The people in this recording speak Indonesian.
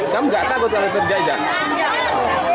kamu enggak takut kalau terjajan